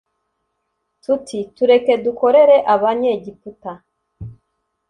tuti tureke dukorere abanyegiputa